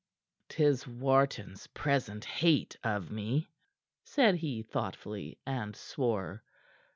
"'Tis Wharton's present hate of me," said he thoughtfully, and swore.